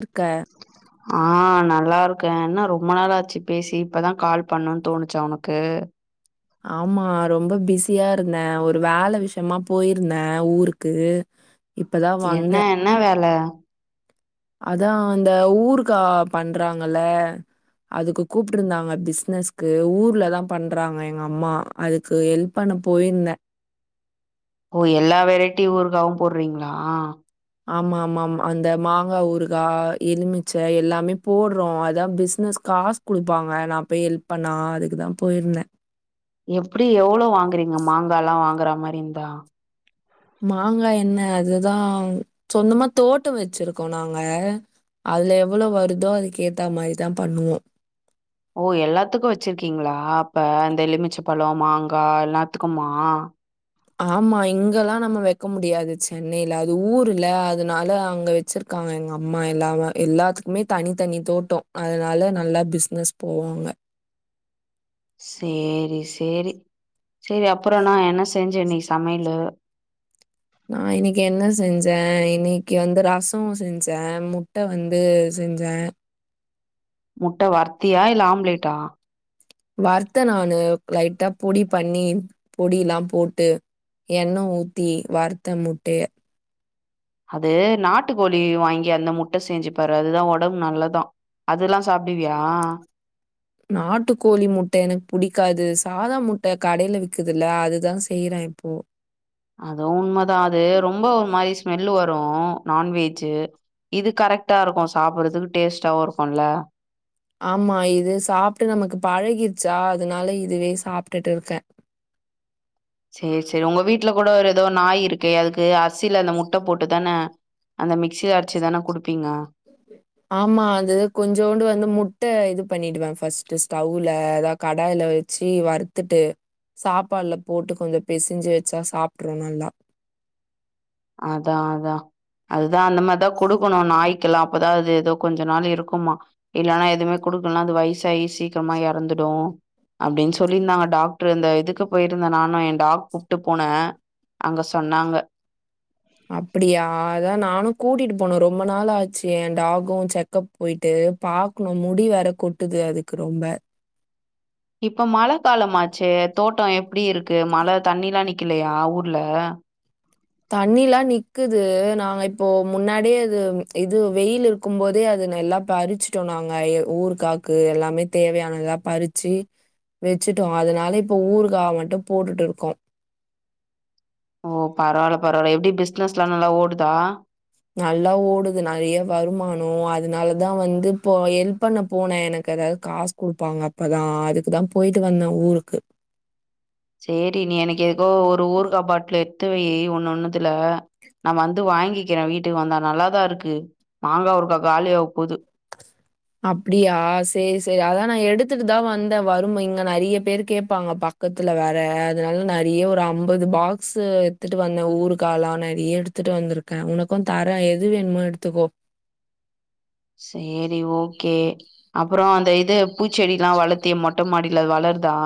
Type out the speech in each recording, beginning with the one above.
இருக்க ஆ நல்லா இருக்கே ஏன்னா ரொம்ப நாள் ஆச்சு பேசி இப்பதா கால் பண்ணுன் தோணுச்ச உனக்கு ஆமா ரொம்ப பிஸியா இருந்த ஒரு வேல விஷயமா போயிருந்தே ஊருக்கு இப்ப தான் என்ன வந்தேன். என்னா வேல அதா இந்த ஊறுக்கா பண்றாங்கல அதுக்கு கூப்ட்ருந்தாங்க பிஸ்னஸ்க்கு ஊர்ல தா பண்றாங்க எங்க அம்மா அதுக்கு ஹெல்ப் பண்ண போயிந்த ஓ எல்லா வெரைட்டி ஊறுகாவு போட்றீங்ளா ஆமா ஆமா ஆமா அந்த மாங்கா ஊறுகா எலுமிச்ச எல்லாமே போட்றோ அதா பிஸ்னஸ் காஸ் குடுப்பாங்க நா போய் ஹெல்ப் பண்ணா அதுக்குதா போயிர்ந்த எப்டி எவ்ளோ வாங்குறீங்க மாங்காலா வாங்குற மாரி இந்தா மாங்காய் என்ன அதுதா சொந்தமா தோட்டோ வச்சிருக்கோ நாங்க அதுல எவ்ளோ வருதோ அதுக்கேத்த மாரிதா பண்ணுவோ ஓ எல்லாத்துக்கு வச்சிருக்கீங்ளா அப்ப இந்த எலுமிச்ச பழோ மாங்கா எல்லாத்துக்குமா ஆமா இங்கெல்லா நம்ம வெக்க முடியாது சென்னையில அது ஊர்ல அதனால அங்க வச்சிருக் காங்க எங்க அம்மா எல்லாம எல்லாத்துக்குமே தனி தனி தோட்டோ அதனால நல்லா பிஸ்னஸ் போவு அங்க சேரி சேரி செரி அப்பற நா என்ன செஞ்ச இன்னைக் சமையலு நா இன்னைக்கி என்ன செஞ்ச இன்னைக்கி வந்து ரசோ செஞ்ச முட்ட வந்து செஞ்ச முட்ட வறுத்தியா இல்ல ஆம்லேட்டா வறுத்த நானு லைட்டா பொடி பண்ணி பொடிலா போட்டு எண்ணெ ஊத்தி வறுத்த முட்டைய அது நாட்டு கோழி வாங்கி அந்த முட்ட செஞ்சு பாரு அதுதா உடம் நல்லதா அதுலா சாப்டுவியா நாட்டுக்கோழி முட்ட எனக் புடிக்காது சாதா முட்ட கடைல விக்குதுல்ல அதுதா செய்றே இப்போ அது உண்மதா அது ரொம்ப ஒரு மாரி ஸ்மெல்லு வரு நான்வெஜ்ஜு இது கரெக்ட்டா இருக்கு சாப்பறதுக்கு டேஸ்ட்டாவு இருக்குல ஆமா இது சாப்ட்டு நமக்கு பழகிருச்சா அதனால இதுவே சாப்ட்டுட்டு இருக்கே சேரி சேரி உங்க வீட்ல கூட ஒரு ஏதோ நாய் இருக்கு அதுக்கு அரிசில அந்த முட்ட போட்டுதான அந்த மிக்ச்சில அடிச்சிதான குடுப்பீங்க ஆமா அது கொஞ்சோண்டு வந்து முட்ட இது பண்ணிடுவே ஃபஸ்ட்டு ஸ்டவ்ல அதா கடாய்ல வெ ச்சி வறுத்துட்டு சாப்பாடுல போட்டு கொஞ்ச பெசிஞ்சு வச்சா சாப்ட்று நல்லா அதா அதா அதுதா அந்த மாரிதா குடுக்கணு நாய்க்கெலா அப்பதா அது ஏதோ கொஞ்ச நாள் இருக்குமா இல்லனா எதுவுமே குடுக்கலனா அது வயசாயி சீக்கிரமா எறந்துடு அப்டின்னு சொல்லிருந்தாங்க டாக்டரு இந்த இதுக்கு போயிருந்தே நானு எ டாக் கூப்ட்டு போனே அங்க சொன்னாங்க அப்டியா அதா நானு கூட்டிட்டு போனு ரொம்ப நாள ஆச்சு எ டாகு செக் கப் போயிட்டு பாக்கணு முடி வேற கொட்டுது அதுக்கு ரொம்ப இப்ப மழ காலமாச்சே தோட்டோ எப்டி இருக்கு மழ தண்ணில்லா நிக்கலயா ஊர்ல தண்ணில்லா நிக்குது நாங்க இப்போ முன்னாடியே இது இது வெயில்லு இரு க்கு போதே அது நெல்லா பறிச்சுட்டோ நாங்க எ ஊறுக் காக்கு எல்லாமே தேவயானதா பறிச்சு வெச்சுட்டோ அதனால இப்போ ஊறுக்காவ மட்டு போட்டுட்டு இருக்கோ ஓ பரவால பரவால எப்டி பிஸ்னஸ்லா நல்லா ஓடுதா நல்லா ஓடுது நெறய வருமானோ அதனாலதா வந்து இப்போ எல்ப் பண்ண போனே எனக்கு எதாது காஸ் குடுப்பாங்க அப்பதா அதுக்குதா போயிட்டு வந்தே ஊருக்கு சேரி நீ எனக் எதுக்கோ ஒரு ஊறுகா பாட்லு எத்துவையி ஒண்ணு ஒண்ணுத்துல நா வந்து வாங்கிக்கிறே வீட்டுக்கு வந்தா நல்லாதா இருக்கு மாங்கா ஊறுகா காலியாக போது அப்டியா சேரி சேரி அதா நா எடுத்துட்டு தா வந்தே வரும் இங்க நெறய பேர் கேப்பாங்க பா பக்கத்துல வேற அதனால நெறய ஒரு அம்பது பாக்ஸ்ஸூ எத்துட்டு வந்தே ஊறுக்காலா நெறய எடுத்துட்டு வந்துருக் கே உனக்கு தரே எது வேணுமோ எடுத்துக்கோ சேரி ஓகே அப்பறோ அந்த இது பூச்செடிலா வளத்தி மொட்ட மாடில அது வளர்தா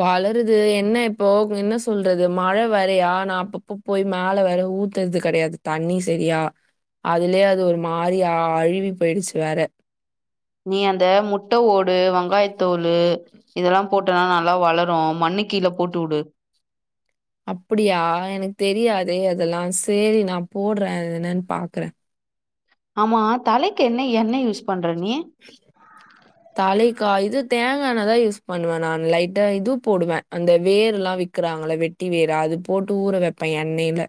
வளருது என்ன இப்போ என்ன சொல்றது மழ வேறயா நா அப் பப்பப் போய் மேல வேற ஊத்றது கெடயாது தண்ணி செரியா அதுலயே அது ஒரு மாறியா அழுவி போயிருச்சு வேற நீ அந்த முட்ட ஓடு வெங்காயத்தோலு இதெல்லா போட்டனா நல்லா வளரு மண்ணு கீழ போட்டு வுடு அப்டியா எனக் தெரியாதே அதெல்லா சேரி நா போடுறே அத என்னன் பாக்குறே ஆமா தலைக் என்ன எண்ணெ யூஸ் பண்ற நீ தலைக்கா இது தேங்கா எண்ணதா யூஸ் பண்ணுவே நானு லைட்டா இது போடுவே அந்த வேர்லா விக்கிறாங்கள வெட்டி வேர் அது போட்டு ஊற வப்பே எண்ணெல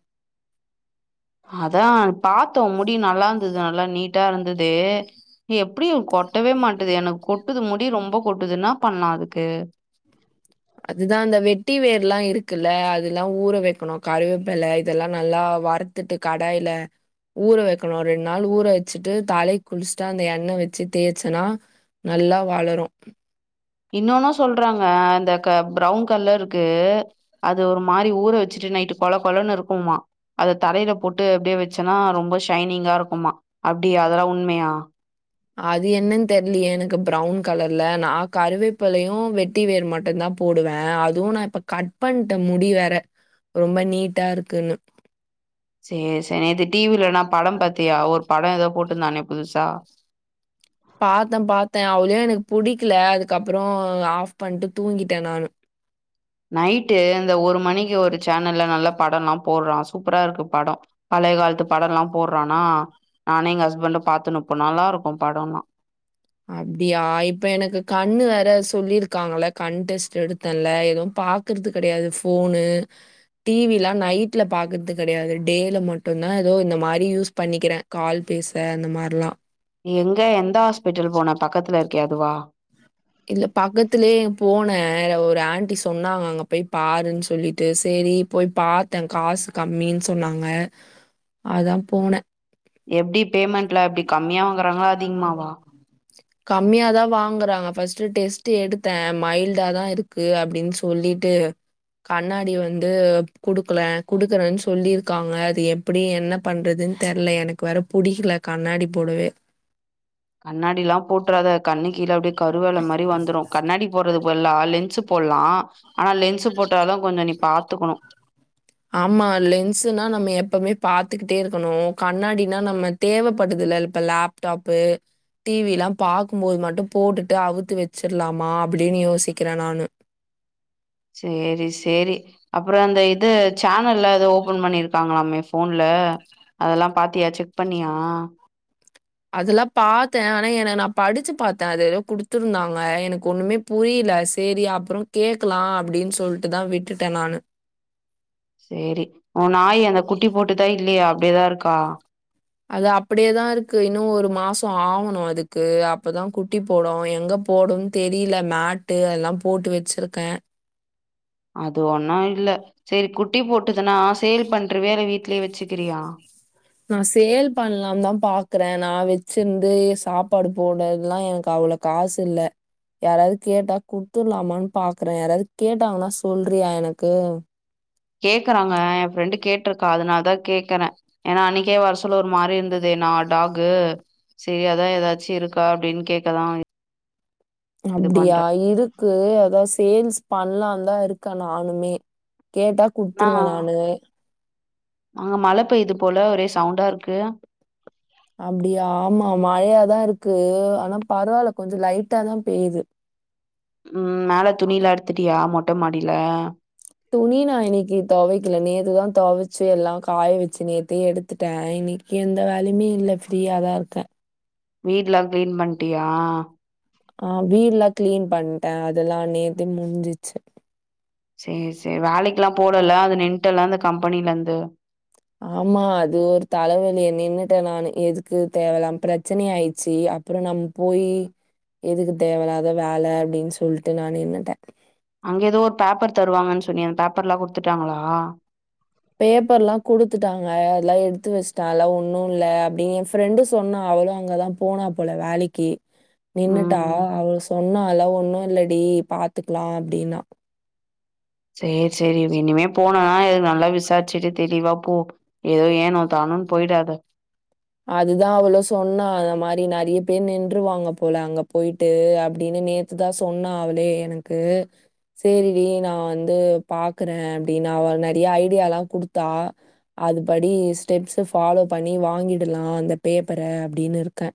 அதா பாத்தோ முடி நல்லா இருந்தது நல்லா நீட்டா இருந்தது நீ எப்டி கொட்டவே மாட்டுது எனக் கொட்டுது முடி ரொம்ப கொட்டுது என்னாப் பண்ணலா அதுக்கு அதுதா அந்த வெட்டி வேர்லா இருக்குல்ல அதெல்லா ஊற வக்கணு கருவேப்பில இதெல்லா நல்லா வறு த்துட்டு கடாயில ஊற வக்கணு ரெண் நாள் ஊற வச்சுட்டு தலைக் குளிச்சுட்டு அந்த எண்ணெ வச்சு தேச்சனா நல்லா வளரு இன்னோனு சொல்றாங்க அந்த க ப்ரௌன் கலருக்கு அது ஒரு மாரி ஊற வச்சுட்டு நைட்டு கொல கொலன்னு இருக்குமா அத தரையில போட்டு அப்டியே வச்சன்னா ரொம்ப ஷைனிங்கா இருக்குமா அப்டியா அதெல்லா உண்மயா அது என்னன்னு தெர்லயே எனக்கு ப்ரவுன் கலர்ல நா கருவேப்பலயும் வெட் டி வேர் மட்டுதா போடுவே அது நா இப்ப கட் பண்ட்டே முடி வேற ரொம்ப நீட்டா இருக்குன்னு சுரி சேரி நேத்து டிவிலலா படம் பாத்தியா ஒரு படே ஏதோ போட்டுருந்தானே புதுசா பாத்தே பாத்தே அவளயு எனக்கு புடிக்கல அதுக்கப்புறோ ஆஃப் பண்ணிட்டு தூங்கிட்டே நானு நைட்டு அந்த ஒரு மணிக்கு ஒரு சேனல்ல நல்ல படல்லா போடுறா சூப்பராருக்கு படோ பழைய காலத்து படோல்லா போடுறானா நானே எங்க ஹஸ்பண்டு பாத்துனுப்போ நல்லாருக்கும் படோலா அப்டியா இப்ப எனக்கு கண்ணு வேற சொல்லிருக்காங்கள கண் டெஸ்ட் எடுத் தல்ல எதும் பாக்கறது கெடையாது ஃபோனு டிவிலா நைட்ல பாக்றது கடையாது டேல மட்டுதா ஏதோ இந்த மாரி யூஸ் பண்ணிக்கிறே கால் பேச அந்த மாரிலா நீ எங்க எந்த ஆஸ்பிட்டல் போன பக்கத்துல இருக்கே அதுவா இல்ல பக்கத்துலயே எ போனே ஒரு ஆன்டி சொன்னாங்க அங்க போய் பாருன்னு சொல்லிட்டு சேரி போய் பாத்தே காஸ் கம்மின்னு சொன்னாங்க அதா போனே எப்டி பேமெண்ட்ல எப்டி கம்மியா வாங்குறாங்களா போனேன். அதிகமாவா கம்மியா தா வாங்குறாங்க ஃபர்ஸ்ட் டெஸ்ட் எடுத்தே மைல்டா தா இருக் க்கு அப்டின்னு சொல்லிட்டு கண்ணாடி வந்து குடுக்கல குடுக்கறே சொல்லியிருக்காங்க அது எப் எப்டி என்ன பண்றதுன் தெர்ல எனக் வேற புடிக்கல கண்ணாடி போடவே கண்ணாடிலா போட்றாத கண்ணு கீழ அப்டி கரு வல மாரி வந்துரு கண்ணாடி போடுறது பதிலா லென்ஸ்ஸுப் போல்லா ஆனா லென்ஸ்ஸு போட்டாலு கொஞ்சோ நீ பாத்துக்கணு ஆமா லென்ஸ்ஸுன்னா நம்ம எப்பமே பாத்துக்கிட்டே இருக்கணு கண்ணாடினா நம்ம தேவப்படுது இல்ல இப்ப லேப் டாப்பு டிவி லா பாக்கும்போது மட்டும் போட்டுட்டு அவுத்து வச்சிர்லாமா அப்டின்னு யோசிக்கிறே நானு சேரி சேரி அப்புறோ இந்த இது சேனல்ல ஓபன் பண்ணிருக்காங்களாமே ஃபோன்ல அதெல்லா பாத்தியா செக் பண்ணியா அதெல்லா பாத்தே ஆனா என நா படிச்சு பாத்து அது ஏதோ குடுத்துருந்தாங்க எனக்கு ஒண்ணுமே புரியல சேரி அப்புறோ கேக்கலா அப்புடின்னு சொல்லிட்டு தா விட்டுட்டே நானு சேரி ஓ நாய் அந்த குட்டி போட்டுதா இல்லையா அப்படியேதா இருக்கா அது அப்படியேதா இருக்கு இன்னு ஒரு மாசோ ஆகணு அதுக்கு அப்பதா குட்டி போடு எங்க போடுன்னு தெரியல மேட்டு அதெல்லா போட்டு வச்சிருக்கே அது ஒன்னு இல்ல சேரி குட்டி போட்டுச்சின்னா சேல் பண்றுவியா இல்ல வீட்லயே வச்சுக்கிறியா நா சேல் பண்ணலாம் தா பாக்குறே நா வச்சிருந்து சாப்பாடு போட்றதல்லா எனக்கு அவ்ளோ காசுயில்ல யாராவது கேட்டா குடுத்துர்லாமான் பாக்குற யாராவது கேட்டாங்கன்னா சொல்றியா எனக்கு கேக்குறாங்க ஏ ஃப்ரெண்டு கேட்ருக்கா அதனால தா கேக்கறே ஏன்னா அன்னிக்கே வர சொல்ல ஒரு மாரி இருந்தது நா டாகு சேரி அதா ஏதாச்சு இருக்கா அப்படின்னு கேக்கதா இது அப்டியா பண்றே இருக் கு அதா சேல்ஸ் பண்லா தா இருக்கே நானுமே கேட்டா நா குடுத்துருவ நானு அங்க மழ பெய்து போல ஒரே சவுண்டாருக்கு அப்டியா ஆமா மழையாதா இருக்கு ஆனா பரவால்ல கொஞ்சோ லைட்டாதா பெய்து ம் மேல துணியில எடுத்துட்டியா மொட்ட மாடியில துணி நா இன்னைக்கு தொவைக்கல நேத்துதா தொவச்சு எல்லா காய வச்சு நேத்தே எடுத்துட்டே இன்னைக் எந்த வேலையுமே இல்லை ஃப்ரியா தா இருக்க வீட்லா கிளின் பண்ட்டியா ஆ வீடு எல்லா கிளீன் பண்ட்டே அதெல்லா நேத்தே முடிஞ்சிச்சு சரி சரி வேலைக்கெல்லா போலல அத நின்ட்டல்ல அந்த கம்பெனில இருந்து ஆமா அது ஒரு தலைவலி நின்னுட்டே நானு எதுக்கு தேவலாம பிரச்சனை ஆயிடுச்சு அப்புறம் நம் போயி எதுக்கு தேவலாத வேல அப்டின் சொல்ட்டு நா நின்னுட்ட அங்க ஏதோ ஒரு பேப்பர் தருவாங்கன் சொன்னியே அந்த பேப்பர்லா குடுத்துட்டாங்களா பேப்பர்லா குடுத்துட்டாங்க அதெல்லா எடுத்து வசுட்ட அதெல்லா ஒன்னு இல்ல அப்டின் எ ஃப்ரெண்டு சொன்னா அவளு அங்கதா போனா போல வேலைக்கி நின்னுட்டா ம் அவ சொன்னால ஒன்னு இல்லடி பாத்துக்கலா அப்டின்னா சேர் சேரி இனிமே போனனா எது நல்லா விசாரி சுட்டு தெளிவா போ ஏதோ ஏனோ தானோனு போயிடாத அதுதா அவளோ சொன்னா அந்த மாரி நெறைய பேர் நின்றுவாங்க போல அங்க போயிட் ட்டு அப்படினு நேத்துதா சொன்னா அவளே எனக்கு சேரி டி நா வந்து பாக்குற அப்டினு அவா நெறைய ஐடியால்லா குடுத்தா அதுபடி ஸ்டெப்ஸ் ஃபாலோ பண்ணி வாங்கிடலா அந்த பேப்பர அப்டினு இருக்க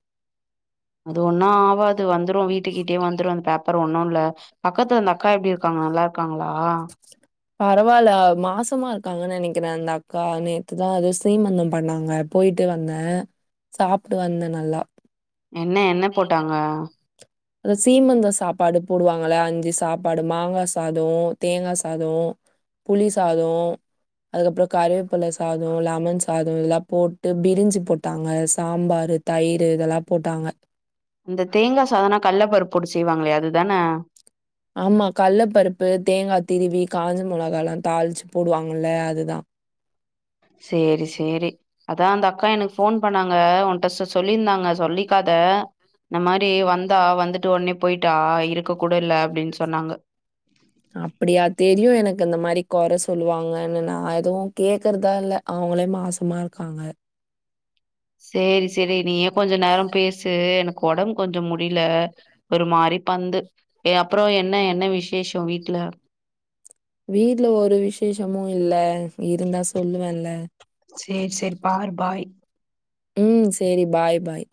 அது ஒன்னு ஆவாது வந்துரு வீட்டுக்கிட்டயே வந்துரு அந்த பேப்பர் ஒண்ணு இல்ல பக்கத்துல அந்த அக்கா எப்டி இருக்காங்க நல்லா இருக்காங்களா பரவால்ல மாசமா இருக்காங்கன் நெனைக்கிறே அந்த அக்கா நேத்துதா அது சீமந்த பண்ணாங்க போயிட்டு வந்த சாப்ட்டு வந்த நல்லா என்ன என்ன போட்டாங்க அந்த சீமந்த சாப்பாடு போடுவாங்கள அஞ்சு சாப்பாடு மாங்கா சாதோ தேங்கா சாதோ புளி சாதோ அதுக்கப்புற கருவேப்புல சாதோ லெமன் சாதோ இதெல்லா போட்டு பிரிஞ்சு போட்டாங்க சாம்பாரு தயிரு இதெல்லா போட்டாங்க இந்த தேங்கா சாதனா கல்லப்பருப்பு போட்டு செய்வாங்ளே அதுதான ஆமா கல்லபருப்பு தேங்கா திருவி காஞ்ச மொளகாலா தாளிச்சு போடுவாங்கல அதுதா சேரி சேரி அதா அந்த அக்கா எனக்கு ஃபோன் பண்ணாங்க உன்ட சொ சொ சொல்லிந்தாங்க சொல்லிக்காத இந்தமாரி வந்தா வந்துட்டு ஒன்னே போயிட்டா இருக்க கூட இல்ல அப்டின் சொன்னாங்க அப்டியா தெரியு எனக்கு இந்த மாரி கொற சொல்லுவாங்கனு நா எதுவு கேக்குறதா இல்ல அவுங்களே மாசமா இருக்காங்க சேரி சேரி நீயே கொஞ்ச நேரோ பேசு எனக்கு ஒடம்பு கொஞ்சோ முடில ஒரு மாரி பந்து ஏ அப்றோ என்ன என்ன விசேஷோ வீட்ல வீட்ல ஒரு விசேஷமு இல்ல இருந்தா சொல்லுவேன்ல சேர் சேரி பார் பாய் ம் சேரி பாய் பாய்